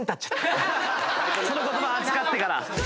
その言葉預かってから。